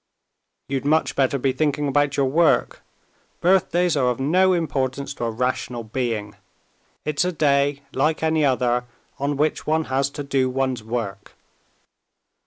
"You'd much better be thinking about your work. Birthdays are of no importance to a rational being. It's a day like any other on which one has to do one's work."